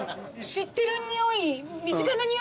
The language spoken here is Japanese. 知ってるにおい。